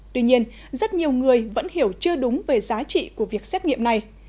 tuy nhiên rất nhiều người vẫn hiểu chưa đúng về giá trị của việc xét nghiệm này